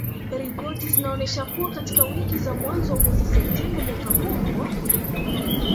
Ripoti zinaonesha kuwa katika wiki za mwanzo wa mwezi Septemba mwaka huo huo